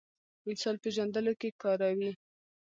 انسان پېژندلو کې کاروي.